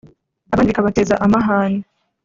abandi bikabateza amahane